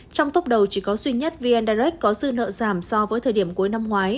trong tốc đầu chỉ có duy nhất vn direct có dư nợ giảm so với thời điểm cuối năm ngoái